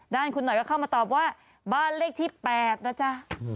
ด้านคุณหน่อยก็เข้ามาตอบว่าบ้านเลขที่๘นะจ๊ะ